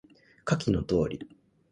下記の通り